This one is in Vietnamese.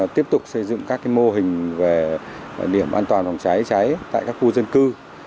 tiếp tục xây dựng các mô hình về điểm an toàn phòng cháy cháy tại các khu dân cư